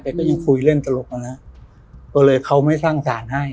แกก็ยังคุยเล่นตลกน่ะตัวเลยเขาไม่สร้างสารให้